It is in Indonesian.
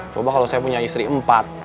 coba kalau saya punya istri empat